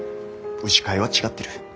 牛飼いは違ってる。